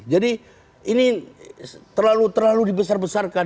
jadi ini terlalu terlalu dibesar besaran